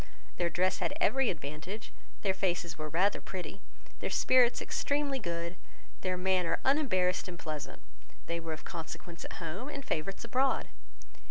Their dress had every advantage, their faces were rather pretty, their spirits extremely good, their manner unembarrassed and pleasant; they were of consequence at home, and favourites abroad.